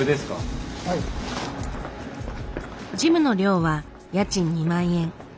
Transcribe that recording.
ジムの寮は家賃２万円。